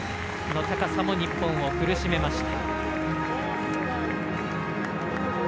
高さも日本を苦しめました。